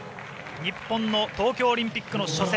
日本の東京オリンピックの初戦